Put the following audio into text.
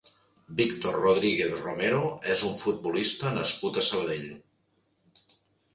Víctor Rodríguez Romero és un futbolista nascut a Sabadell.